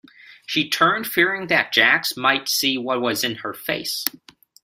She turned, fearing that Jacques might see what was in her face.